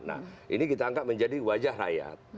nah ini kita anggap menjadi wajah rakyat